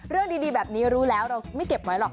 เรื่องดีแบบนี้รู้แล้วเราไม่เก็บไว้หรอก